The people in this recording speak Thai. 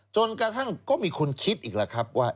จนกระทั่งก็มีคนคิดอีกแล้วครับว่า